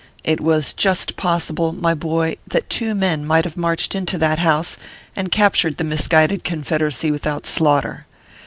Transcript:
It was just possible, my boy, that two men might have marched into that house, and cap tured the misguided Confederacy without slaughter.